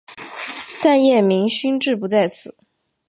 但叶明勋志不在此。